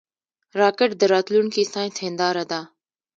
راکټ د راتلونکي ساینس هنداره ده